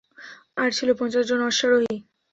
আর ছিল পঞ্চাশ জন অশ্বারোহী।